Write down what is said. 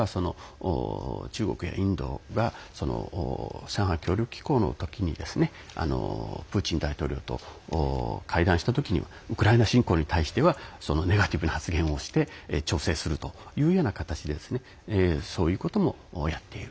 中国やインドが上海協力機構の時にプーチン大統領と会談した時にウクライナ侵攻に対してはネガティブな発言をして調整をするという形そういうこともやっている。